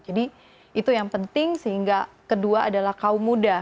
jadi itu yang penting sehingga kedua adalah kaum muda